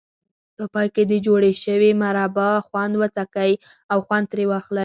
په پای کې د جوړې شوې مربا خوند وڅکئ او خوند ترې واخلئ.